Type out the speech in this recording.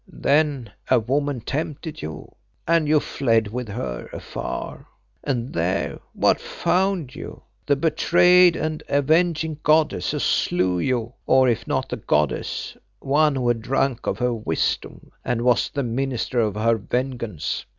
Then a woman tempted you, and you fled with her afar. And there what found you? The betrayed and avenging goddess who slew you, or if not the goddess, one who had drunk of her wisdom and was the minister of her vengeance.